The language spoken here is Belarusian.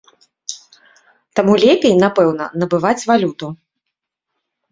Таму лепей, напэўна, набываць валюту.